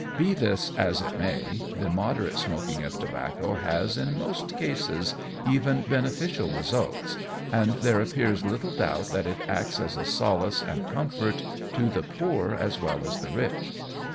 Be this as it may, the moderate smoking of tobacco has, in most cases, even beneficial results, and there appears little doubt that it acts as a solace and comfort to the poor as well as the rich.